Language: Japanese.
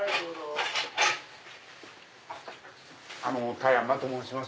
田山と申します